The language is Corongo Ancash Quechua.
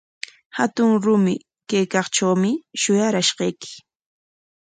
Hatun rumi kaykaqtrawmi shuyarashqayki.